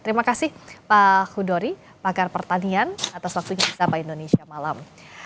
terima kasih pak hudori pakar pertanian atas waktunya bersama indonesia malam